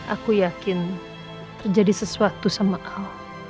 aku yakin terjadi sesuatu sama aku